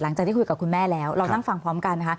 หลังจากที่คุยกับคุณแม่แล้วเรานั่งฟังพร้อมกันนะคะ